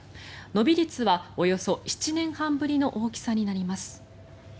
伸び率はおよそ７年半ぶりの大きさになります。